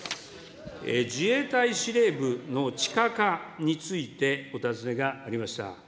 自衛隊司令部の地下化についてお尋ねがありました。